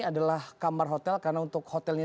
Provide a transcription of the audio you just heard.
adalah kamar hotel karena untuk hotelnya